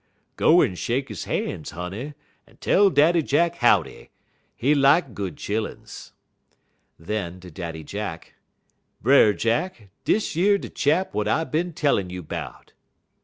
"Go en shake han's, honey, en tell Daddy Jack howdy. He lak good chilluns." Then to Daddy Jack: "Brer Jack, dish yer de chap w'at I bin tellin' you 'bout."